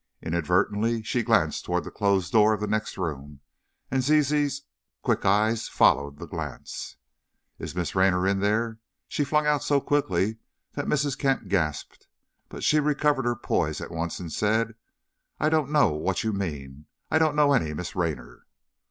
Inadvertently she glanced toward the closed door of the next room, and Zizi's quick eyes followed the glance. "Is Miss Raynor in there?" she flung out so quickly that Mrs. Kent gasped. But she recovered her poise at once and said, "I don't know what you mean, I don't know any Miss Raynor."